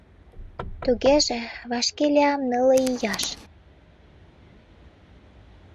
Тугеже, вашке лиям нылле ияш;